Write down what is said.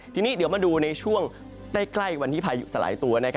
ทีนี้เดี๋ยวมาดูในช่วงใกล้วันที่พายุสลายตัว